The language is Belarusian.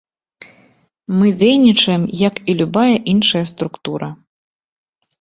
Мы дзейнічаем як і любая іншая структура.